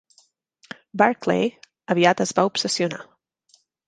Barclay aviat es va obsessionar.